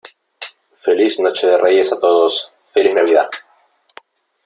feliz noche de Reyes a todos . feliz Navidad .